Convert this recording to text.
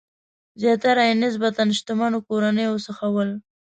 زیاتره یې له نسبتاً شتمنو کورنیو څخه ول.